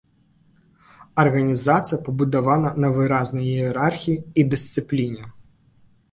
Арганізацыя пабудавана на выразнай іерархіі і дысцыпліне.